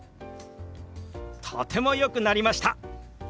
とてもよくなりました！